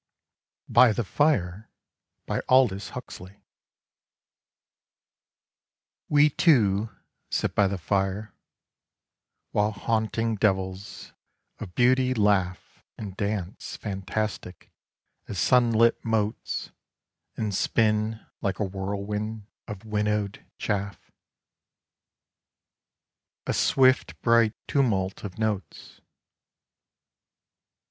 23 ALDOUS HUXLEY. BY THE FIRE. WE two sit by the fire, While haunting devils of beauty laugh And dance fantastic as sunlit motes And spin like a whirlwind of winnowed chaff — A swift bright tumult of notes.